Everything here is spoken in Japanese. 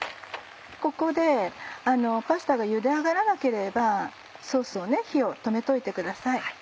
ここでパスタがゆで上がらなければソースの火を止めといてください。